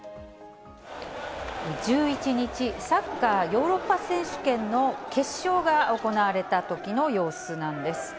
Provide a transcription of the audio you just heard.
１１日、サッカーヨーロッパ選手権の決勝が行われたときの様子なんです。